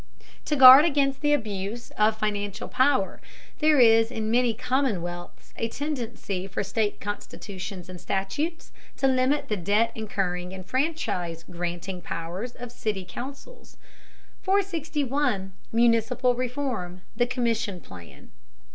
To guard against the abuse of financial power there is in many commonwealths a tendency for state constitutions and statutes to limit the debt incurring and franchise granting powers of city councils. 461. MUNICIPAL REFORM: THE COMMISSION PLAN.